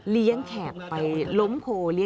เลี้ยงแขกไปล้มโพล